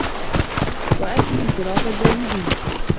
وَأَهْلِهِ انْصِرَافَ الزَّاهِدِينَ